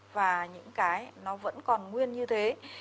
và những cái nó vẫn còn nguyên như thế